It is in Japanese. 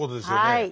はい。